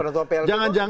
penentuan plt itu gol bang